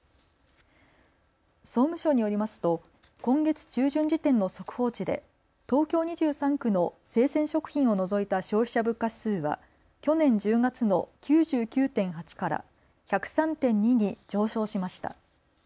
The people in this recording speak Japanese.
総務省によりますと今月中旬時点の速報値で東京２３区の生鮮食品を除いた消費者物価指数は去年１０月の９９．８から１０３．２に上昇しました。